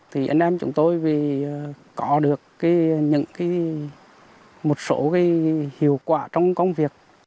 thì anh em chúng tôi có được một số hiệu quả trong công việc